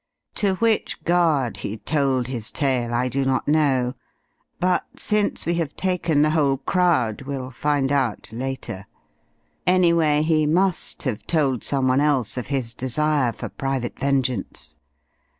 To which guard he told his tale I do not know, but, since we have taken the whole crowd we'll find out later. Anyway, he must have told someone else of his desire for private vengeance.